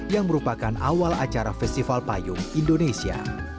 yang merupakan awal acara festival payung indonesia